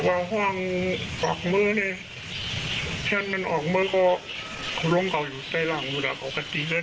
มันก็ขัดสตีหรอกไม่เมามากหรอก